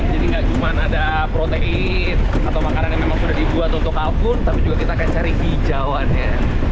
jadi nggak cuma ada protein atau makanan yang memang sudah dibuat untuk kalkun tapi juga kita akan cari hijauannya